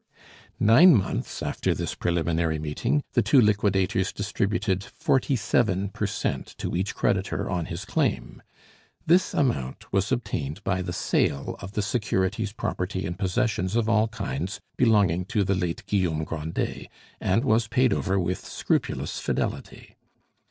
Nine months after this preliminary meeting, the two liquidators distributed forty seven per cent to each creditor on his claim. This amount was obtained by the sale of the securities, property, and possessions of all kinds belonging to the late Guillaume Grandet, and was paid over with scrupulous fidelity.